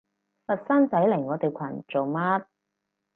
佛山仔嚟我哋群做乜？